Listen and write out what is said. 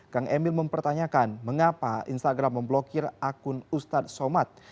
kang emil mempertanyakan mengapa instagram memblokir akun ustadz somad